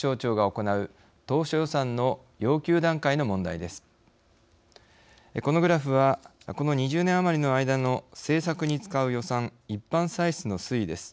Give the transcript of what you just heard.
このグラフはこの２０年余りの間の政策に使う予算一般歳出の推移です。